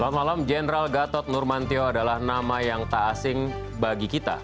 selamat malam general gatot nurmantio adalah nama yang tak asing bagi kita